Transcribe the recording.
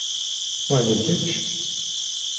Wali kečč.